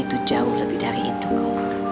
itu jauh lebih dari itu ma